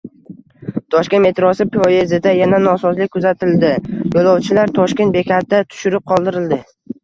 Toshkent metrosi poyezdida yana nosozlik kuzatildi. Yo‘lovchilar “Toshkent” bekatida tushirib qoldirildi